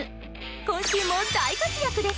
今週も大活躍です。